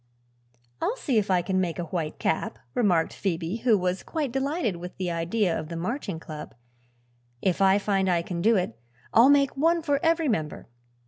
"I'll see if I can make a white cap," remarked Phoebe, who was quite delighted with the idea of the Marching Club. "If I find I can do it, I'll make one for every member."